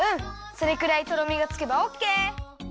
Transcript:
それくらいとろみがつけばオッケー！